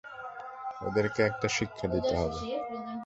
ওদেরকে একটা শিক্ষা দিতে হবে।